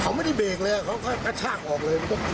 เขาไม่ได้เบรกเลยเขาก็กระชากออกเลย